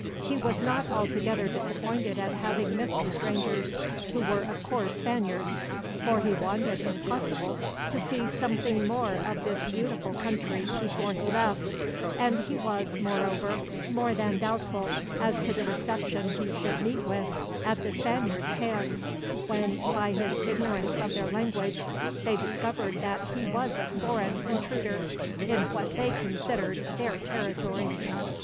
He was not altogether disappointed at having missed the strangers, who were of course Spaniards; for he wanted, if possible, to see something more of this beautiful country before he left; and he was, moreover, more than doubtful as to the reception he should meet with at the Spaniards' hands, when, by his ignorance of their language, they discovered that he was a foreign intruder, in what they considered their territory.